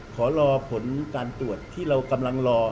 ขอรอผลการตรวจที่เรากำลังรอ